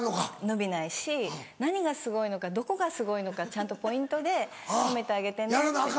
伸びないし何がすごいのかどこがすごいのかちゃんとポイントで褒めてあげてねって。